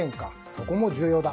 そこも重要だ。